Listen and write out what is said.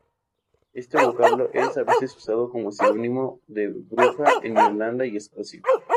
Este vocablo es a veces usado como sinónimo de bruja en Irlanda y Escocia.